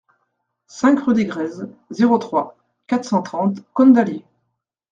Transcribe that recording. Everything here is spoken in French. cinq rue des Grèzes, zéro trois, quatre cent trente Cosne-d'Allier